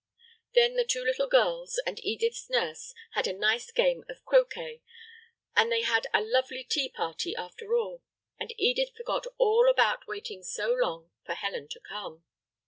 Then the two little girls and Edith's nurse had a nice game of croquet, and they had a lovely tea party after all, and Edith forgot all about waiting so long for Helen to come.